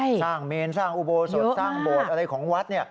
สร้างเมนสร้างอุโบสถสร้างโบสถ์อะไรของวัด